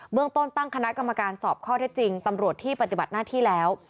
เรื่องต้นตั้งคณะกรรมการสอบข้อเท็จจริงตำรวจที่ปฏิบัติหน้าที่แล้ว